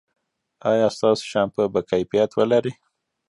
ایا ستاسو شامپو به کیفیت ولري؟